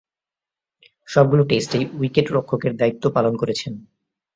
সবগুলো টেস্টেই উইকেট-রক্ষকের দায়িত্ব পালন করেছেন।